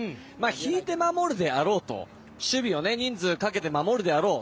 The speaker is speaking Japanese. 引いて守るであろうと守備の人数をかけて守るであろう。